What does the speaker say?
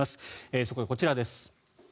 そこでこちらです。